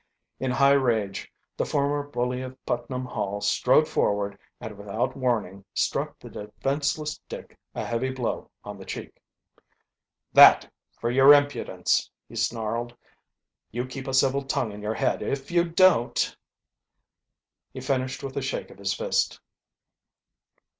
In high rage the former bully of Putnam Hall strode forward and without warning struck the defenseless Dick a heavy blow on the cheek. "That, for your impudence," he snarled. "You keep a civil tongue in your head. If you don't " He finished with a shake of his fist.